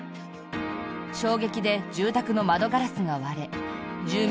衝撃で住宅の窓ガラスが割れ住民